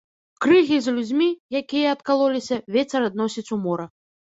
Крыгі з людзьмі, якія адкалоліся, вецер адносіць у мора.